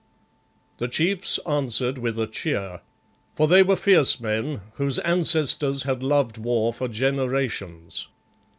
The chiefs answered with a cheer, for they were fierce men whose ancestors had loved war for generations.